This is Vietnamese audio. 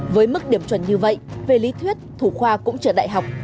với mức điểm chuẩn như vậy về lý thuyết thủ khoa cũng trở đại học